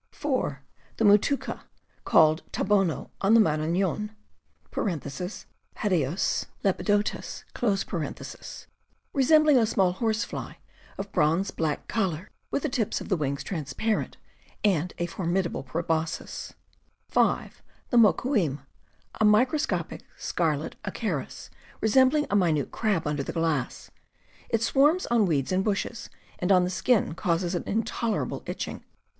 (4) The mutuca, called tdbono on the Maraiion {Hadaiis 172 CAMPING AND WOODCRAFT lepidotus), resembling a small horse fly, of a bronze black color, with the tips of the wings transparent, and a formidable proboscis. ... (5) The moquim ... a microscopic scarlet acarus, re sembling a minute crab under the glass. It swarms on weeds and bushes, and on the skin causes an intolerable itching.